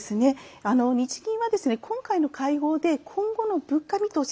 日銀は、今回の会合で今後の物価見通し